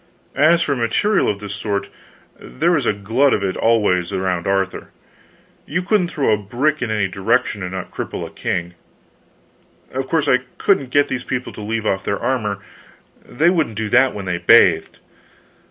As for material of this sort, there was a glut of it always around Arthur. You couldn't throw a brick in any direction and not cripple a king. Of course, I couldn't get these people to leave off their armor; they wouldn't do that when they bathed.